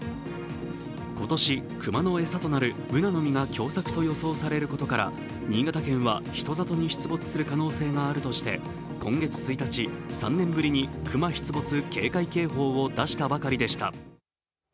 今年、熊の餌となるブナの実が凶作と予想されることから新潟県は人里に出没する可能性があるとして今月１日、３年ぶりにクマ出没警戒警報を出したばかりでした。